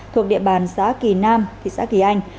thuộc địa bàn xã kỳ nam thị xã kỳ anh